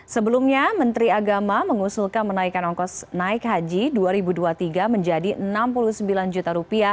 sebelumnya menteri agama mengusulkan menaikkan ongkos naik haji dua ribu dua puluh tiga menjadi rp enam puluh sembilan juta